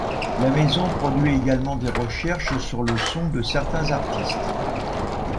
La maison produit également des recherches sur le son de certains artistes.